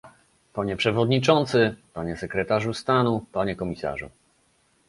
Panie przewodniczący, panie sekretarzu stanu, panie komisarzu